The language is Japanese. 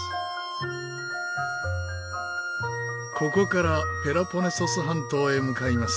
ここからペロポネソス半島へ向かいます。